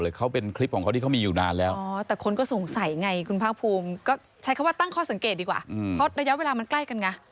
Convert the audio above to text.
ซึ่งนางนาธิริยะคงไม่ใช่ตัวแองของคนที่เก็บไปได้